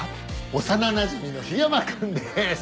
幼なじみの緋山君です